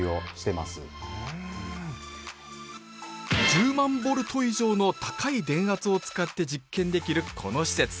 １０万ボルト以上の高い電圧を使って実験できるこの施設。